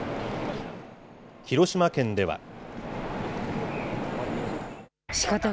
広島県では。